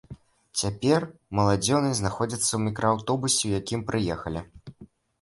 Цяпер маладзёны знаходзяцца ў мікрааўтобусе, у якім прыехалі.